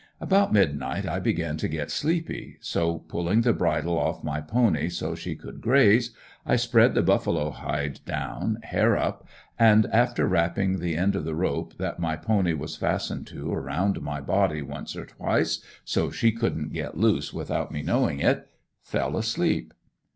About midnight I began to get sleepy, so, pulling the bridle off my pony so she could graze, I spread the buffalo hide down, hair up, and after wrapping the end of the rope, that my pony was fastened to around my body once or twice so she couldn't get loose without me knowing it, fell asleep.